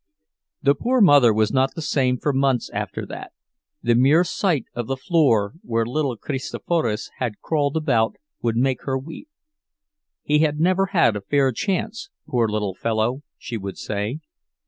The poor mother was not the same for months after that; the mere sight of the floor where little Kristoforas had crawled about would make her weep. He had never had a fair chance, poor little fellow, she would say.